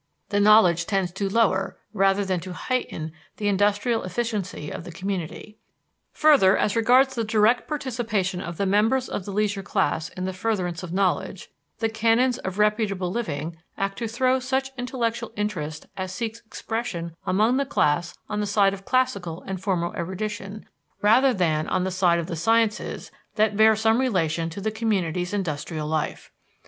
The knowledge tends to lower rather than to heighten the industrial efficiency of the community. Further, as regards the direct participation of the members of the leisure class in the furtherance of knowledge, the canons of reputable living act to throw such intellectual interest as seeks expression among the class on the side of classical and formal erudition, rather than on the side of the sciences that bear some relation to the community's industrial life.